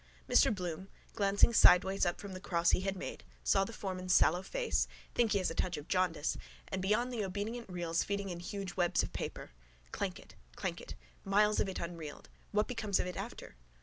Mr Bloom, glancing sideways up from the cross he had made, saw the foreman's sallow face, think he has a touch of jaundice, and beyond the obedient reels feeding in huge webs of paper. Clank it. Clank it. Miles of it unreeled. What becomes of it after?